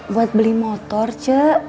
buat beli motor c